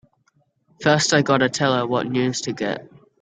First I gotta tell her what news to get!